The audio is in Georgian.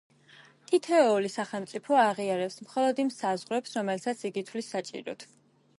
თითოეული სახელმწიფო აღიარებს მხოლოდ იმ საზღვარს, რომელსაც იგი თვლის საჭიროდ.